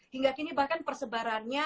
hingga kini bahkan persebarannya